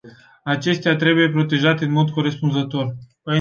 Acestea trebuie protejate în mod corespunzător.